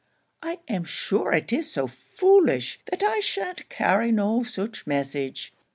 I am sure it is so foolish, that I shan't carry no such message.'